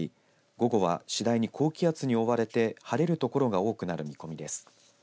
午後は次第に高気圧に覆われて晴れるところが多くなる見込みです。